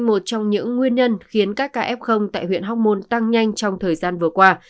một trong những nguyên nhân khiến các ca f tại huyện hóc môn tăng nhanh trong thời gian vừa qua